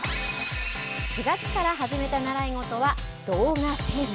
４月から始めた習い事は、動画制作。